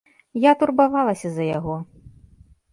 Я турбавалася за яго.